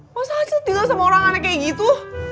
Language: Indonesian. masa acil tinggal sama orang aneh kayak gitu